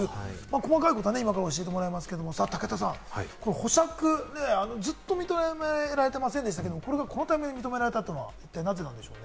細かいことは今から教えてもらいますけれども、武田さん、保釈ずっと認められてませんでしたけれども、このタイミングで認められたのは、なぜなんでしょう？